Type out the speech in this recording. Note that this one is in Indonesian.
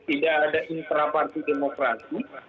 tidak ada intraparti demokrasi